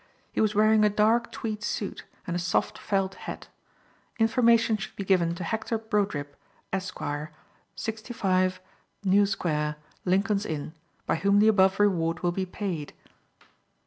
He was wearing a dark tweed suit, and soft felt hat. "Information should be given to Hector Brodribb, Esquire, 65, New Square, Lincoln's Inn, by whom the above reward will be paid."